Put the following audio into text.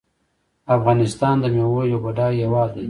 افغانستان د میوو یو بډایه هیواد دی.